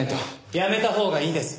やめたほうがいいです。